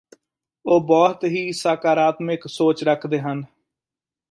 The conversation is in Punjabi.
ਉਹ ਬਹੁਤ ਹੀ ਸਾਕਾਰਾਤਮਿਕ ਸੋਚ ਰੱਖਦੇ ਹਨ